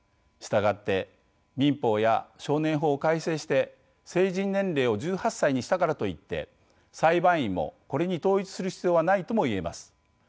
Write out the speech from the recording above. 従って民法や少年法を改正して成人年齢を１８歳にしたからといって裁判員もこれに統一する必要はないともいえます。